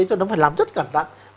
cho nên nó phải làm rất cẩn thận